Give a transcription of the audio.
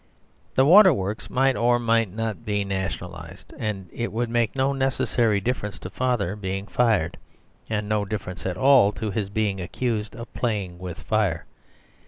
The water works might or might not be nationalised; and it would make no necessary difference to Father being fired, and no difference at all to his being accused of playing with fire.